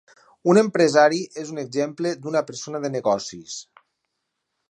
Un empresari és un exemple d'una persona de negocis.